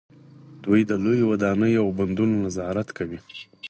دوی د لویو ودانیو او بندونو نظارت کوي.